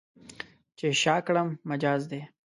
چې شا کړم، مجاز دی.